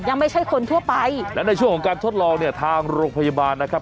ไม่ใช่คนทั่วไปและในช่วงของการทดลองเนี่ยทางโรงพยาบาลนะครับ